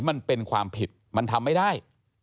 มันเป็นความผิดมันทำไม่ได้